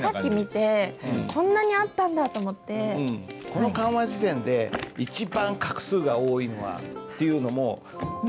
この漢和辞典で一番画数が多いのはっていうのも。